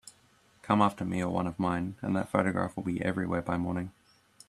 Come after me or one of mine, and that photograph will be everywhere by morning.